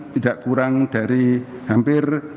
tidak kurang dari hampir